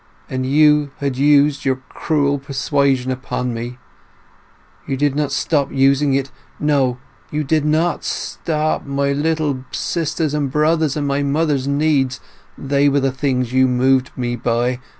And you had used your cruel persuasion upon me ... you did not stop using it—no—you did not stop! My little sisters and brothers and my mother's needs—they were the things you moved me by